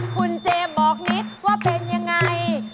คุณเจมสบอกนิดว่าเป็นยังไง